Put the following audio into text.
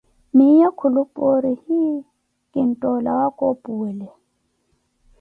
Miyo kilupoori iii, kintoolawa koopuwele.